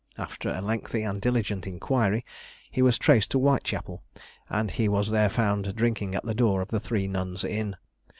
After a lengthy and diligent inquiry, he was traced to Whitechapel, and he was there found drinking at the door of the Three Nuns Inn.